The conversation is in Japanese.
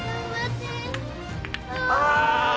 ああ！